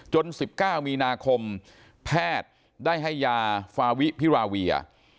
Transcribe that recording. ๑๙มีนาคมแพทย์ได้ให้ยาฟาวิพิราเวีย